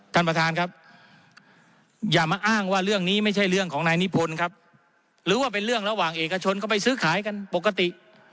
ท่านประธานครับอย่ามาอ้างว่าเรื่องนี้ไม่ใช่เรื่องของนายนิพนธ์ครับหรือว่าเป็นเรื่องระหว่างเอกชนก็ไปซื้อขายกันปกติ